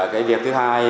cái việc thứ hai